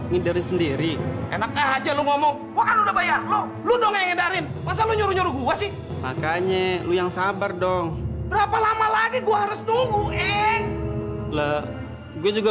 gini gini gua juga usaha